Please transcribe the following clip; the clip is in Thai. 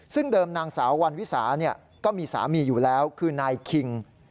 ซึ่งเดิมนางสาววันวิสาก็มีสามีอยู่แล้วคือนายคิง